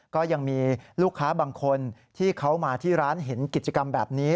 ก็ยังมีลูกค้าบางคนที่เขามาที่ร้านเห็นกิจกรรมแบบนี้